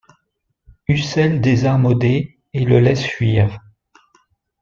Ussel désarme Odet et le laisse fuir.